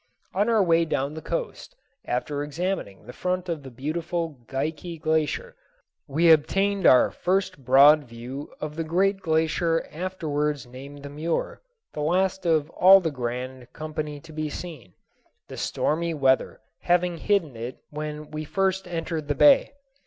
On our way down the coast, after examining the front of the beautiful Geikie Glacier, we obtained our first broad view of the great glacier afterwards named the Muir, the last of all the grand company to be seen, the stormy weather having hidden it when we first entered the bay.